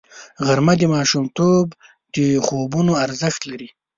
غرمه د ماشومتوب د خوبونو ارزښت لري